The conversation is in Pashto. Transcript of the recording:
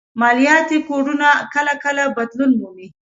مالياتي کوډونه کله کله بدلون مومي